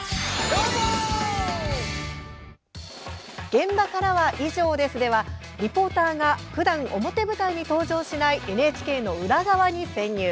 「現場からは以上です」ではリポーターが、ふだん表舞台に登場しないＮＨＫの裏側に潜入。